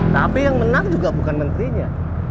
tapi yang menang juga bukan menterinya